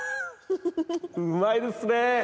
うまいですねぇ！